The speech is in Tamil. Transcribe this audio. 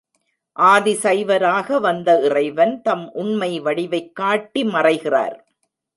ஆதிசைவராக வந்த இறைவன் தம் உண்மை வடிவைக் காட்டி மறைகிறார்.